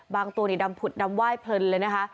ตัวนี่ดำผุดดำไห้เพลินเลยนะคะ